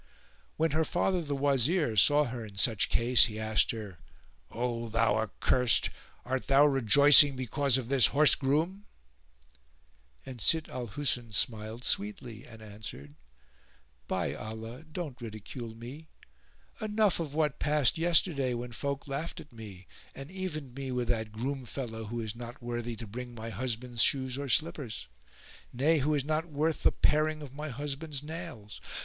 When her father, the Wazir, saw her in such case, he asked her, "O thou accursed, art thou rejoicing because of this horse groom?", and Sitt al Husn smiled sweetly and answered, "By Allah, don't ridicule me: enough of what passed yesterday when folk laughed at me, and evened me with that groom fellow who is not worthy to bring my husband's shoes or slippers; nay who is not worth the paring of my husband's nails!